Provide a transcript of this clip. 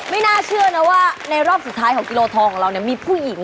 ไม่น่าเชื่อนะว่าในรอบสุดท้ายของกิโลทองของเราเนี่ยมีผู้หญิง